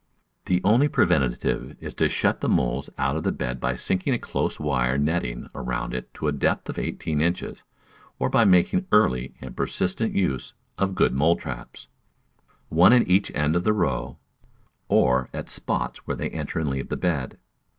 The only preventive is to shut the moles out of the bed by sinking a close wire netting around it to a depth of eighteen inches, or by making early and persistent use of good mole traps — one at each end of the row, or at the spots where they enter and leave the bed.